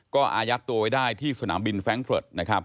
ก็อายัดตัวไว้ได้ที่สนามบินแฟรงก์เฟิร์ต